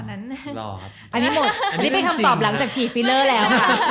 อันนี้เป็นคำตอบหลังจากฉี่ฟีเนอร์แล้ว